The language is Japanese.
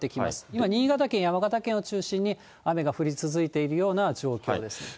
今、新潟県、山形県を中心に雨が降り続いているような状況です。